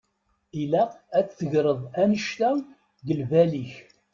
Ilaq ad tegreḍ annect-a g lbal-ik.